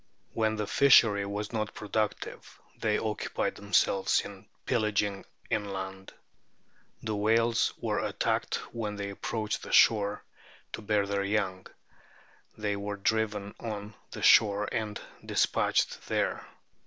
When the fishery was not productive they occupied themselves in pillaging inland. The whales were attacked when they approached the shore to bear their young ; they were driven on to the shore and despatched there.